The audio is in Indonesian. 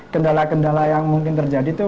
kendala kendala yang mungkin terjadi itu